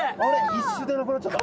一瞬でなくなっちゃった。